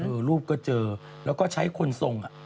รูปก็เจอแล้วก็ใช้คนทรงอ่ะ